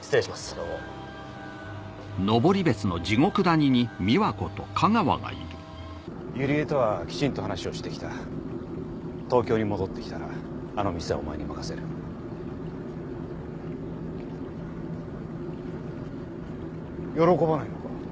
どうも由梨絵とはきちんと話をしてきた東京に戻ってきたらあの店はお前に任せる喜ばないのか？